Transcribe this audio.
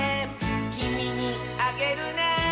「きみにあげるね」